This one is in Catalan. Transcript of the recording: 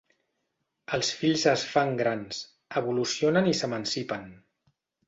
Els fills es fan grans, evolucionen i s'emancipen.